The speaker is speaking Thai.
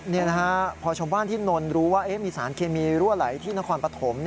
นี่นะฮะพอชาวบ้านที่นนรู้ว่ามีสารเคมีรั่วไหลที่นครปฐม